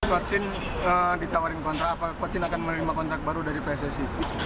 kocin ditawarkan kontrak apa kocin akan menerima kontrak baru dari pssi